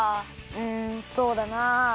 うんそうだな。